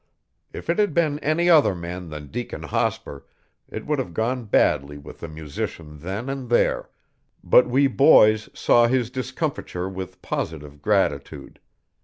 If it had been any other man than Deacon Hospur it would have gone badly with the musician then and there, but we boys saw his discomfiture with positive gratitude.